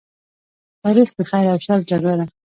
تاریخ د خیر او شر جګړه ده.